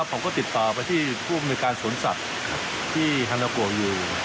ผมก็ติดต่อไปที่ผู้อำนวยการสวนสัตว์ที่ฮานาโกอยู่